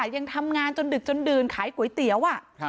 ยังทำงานจนดึกจนดื่นขายก๋วยเตี๋ยว